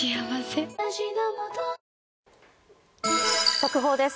速報です。